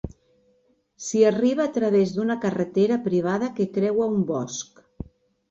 S'hi arriba a través d'una carretera privada que creua un bosc.